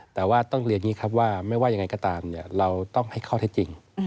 แต่ว่าต้องเรียนอย่างนี้ครับว่าไม่ว่ายังไงก็ตามเราต้องให้ข้อเท็จจริง